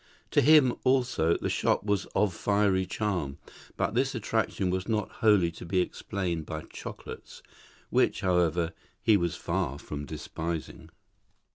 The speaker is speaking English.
To him, also, the shop was of fiery charm, but this attraction was not wholly to be explained by chocolates; which, however, he was far from despising.